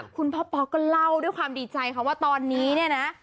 พ่อป๊อกก็เล่าด้วยความดีใจค่ะว่าตอนนี้เนี่ยนะ